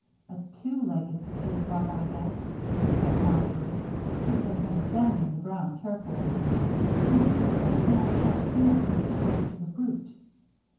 "A two legged potato bug, I guess," said Marjory, who had been examining the ground carefully. "See, here are small sharp heel prints close to the root."